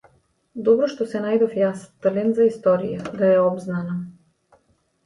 Добро што се најдов јас, талент за историја, да ја обзнанам.